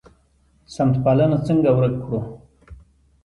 سمت پالنه څنګه ورک کړو؟